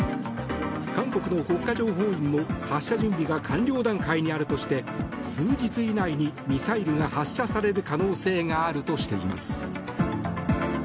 韓国の国家情報院も発射準備が完了段階にあるとして数日以内にミサイルが発射される可能性があるとしています。